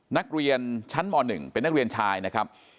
นักเรียนชั้นม๑เป็นนักเรียนชายนะครับ